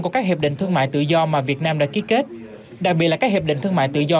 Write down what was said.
của các hiệp định thương mại tự do mà việt nam đã ký kết đặc biệt là các hiệp định thương mại tự do